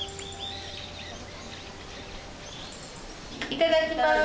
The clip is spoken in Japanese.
いただきます。